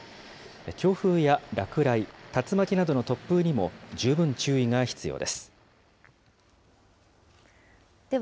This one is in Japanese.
強風や落雷、竜巻などの突風にも十分注意が必要です。